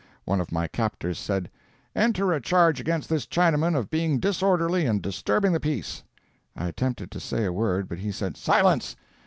One of my captors said: "Enter a charge against this Chinaman of being disorderly and disturbing the peace." I attempted to say a word, but he said: "Silence!